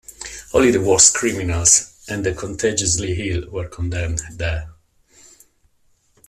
Only the worst criminals and the contagiously ill were condemned there.